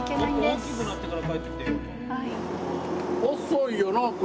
もっと大きくなってから帰ってきて。